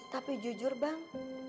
tapi jujur bang